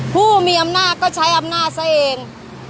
ผู้มีอำนาจก็ใช้อำนาจซะเอง